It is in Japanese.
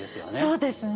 そうですね。